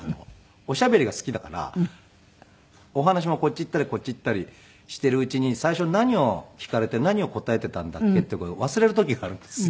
おしゃべりが好きだからお話もこっち行ったりこっち行ったりしているうちに最初何を聞かれて何を答えていたんだっけっていう事を忘れる時があるんですよ。